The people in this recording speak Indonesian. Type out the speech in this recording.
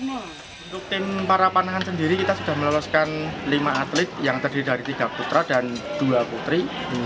untuk tim para panahan sendiri kita sudah meloloskan lima atlet yang terdiri dari tiga putra dan dua putri